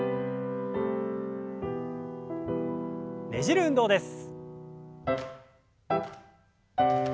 ねじる運動です。